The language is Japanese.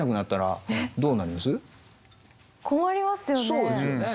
そうですよね。